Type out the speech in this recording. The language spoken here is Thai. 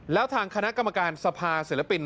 แล้วทางคณะกรรมการสภาศิลปิน